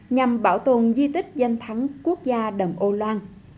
nhằm bảo tồn di tích danh thắng quốc gia đầm ô lan